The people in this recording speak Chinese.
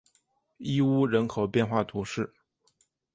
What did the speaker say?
伊乌人口变化图示